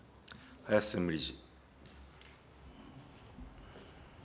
林専務理事。